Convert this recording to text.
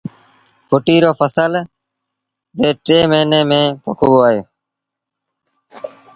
ڦٽيٚ رو ڦسل سآل ري ٽي موهيݩي ميݩ پوکبو اهي